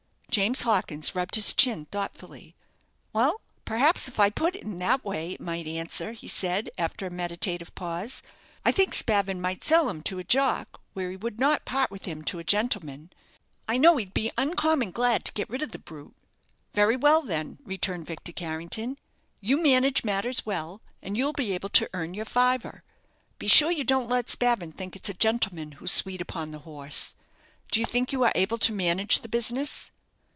James Hawkins rubbed his chin thoughtfully. "Well, perhaps if I put it in that way it might answer," he said, after a meditative pause. "I think Spavin might sell him to a jock, where he would not part with him to a gentleman. I know he'd be uncommon glad to get rid of the brute." "Very well, then," returned Victor Carrington; "you manage matters well, and you'll be able to earn your fiver. Be sure you don't let Spavin think it's a gentleman who's sweet upon the horse. Do you think you are able to manage the business?"